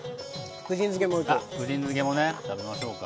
福神漬けもね食べましょうか。